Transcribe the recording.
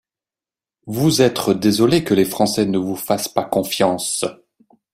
Vous être désolé que les Français ne vous fassent pas confiance.